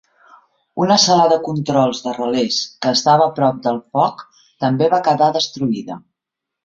Una sala de controls de relés que estava a prop del foc també va quedar destruïda.